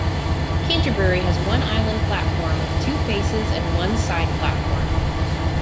Canterbury has one island platform with two faces and one side platform.